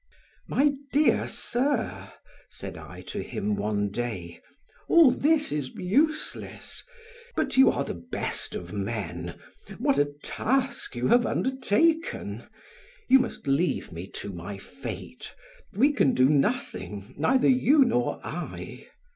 "My dear sir," said I to him one day, "all this is useless, but you are the best of men. What a task you have undertaken! You must leave me to my fate; we can do nothing, neither you nor I."